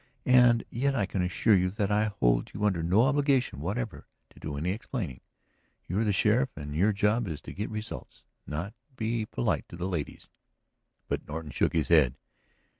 And yet I can assure you that I hold you under no obligation whatever to do any explaining. You are the sheriff and your job is to get results, not to be polite to the ladies." But Norton shook his head.